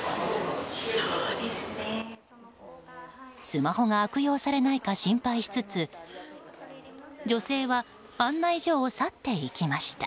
スマホが悪用されないか心配しつつ女性は案内所を去っていきました。